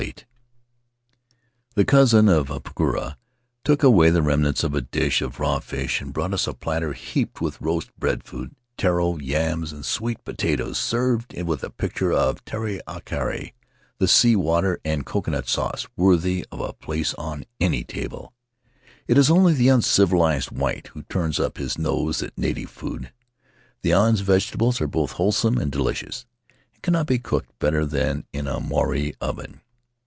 18 [ 261 1 Faery Lands of the South Seas The cousin of Apakura took away the remnants of a dish of raw fish and brought us a platter heaped with roast breadfruit, taro, yams, and sweet potatoes, served with a pitcher of tai akari — the sea water and coconut sauce, worthy of a place on any table. It is only the uncivilized white who turns up his nose at native food; the island's vegetables are both whole some and delicious, and cannot be cooked better than in a Maori oven.